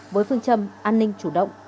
với phương trầm an ninh chủ động